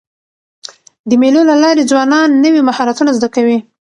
د مېلو له لاري ځوانان نوي مهارتونه زده کوي.